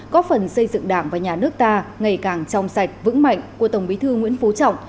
có phần xây dựng đảng và nhà nước ta ngày càng trong sạch vững mạnh của tổng bí thư nguyễn phú trọng